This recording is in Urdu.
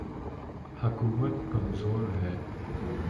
حکومت کمزور ہے۔